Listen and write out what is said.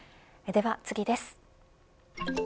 では次です。